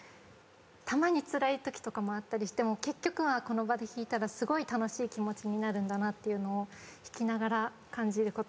たまにつらいときとかもあったりしても結局はこの場で弾いたらすごい楽しい気持ちになるんだなっていうのを弾きながら感じることができました。